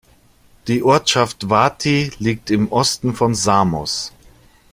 Die Ortschaft Vathy liegt im Osten von Samos.